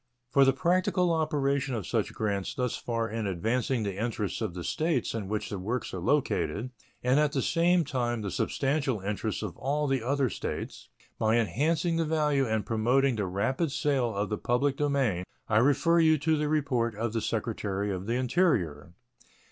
For the practical operation of such grants thus far in advancing the interests of the States in which the works are located, and at the same time the substantial interests of all the other States, by enhancing the value and promoting the rapid sale of the public domain, I refer you to the report of the Secretary of the Interior.